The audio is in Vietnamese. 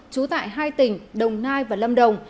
trú tại hai tỉnh đồng nai và lâm đồng